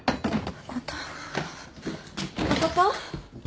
誠。